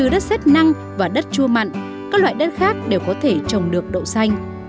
đất xét năng và đất chua mặn các loại đất khác đều có thể trồng được đậu xanh